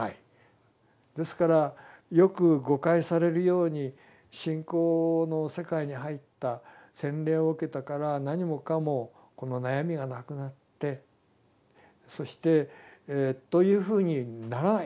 ですからよく誤解されるように信仰の世界に入った洗礼を受けたから何もかもこの悩みがなくなってそしてというふうにならない。